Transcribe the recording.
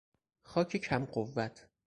خاک کم قوت